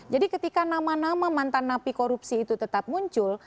jadi ketika nama nama mantan napi korupsi itu tetap muncul